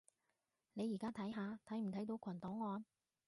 你而家睇下睇唔睇到群檔案